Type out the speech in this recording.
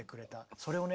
それをね